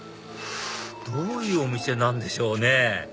どういうお店なんでしょうね？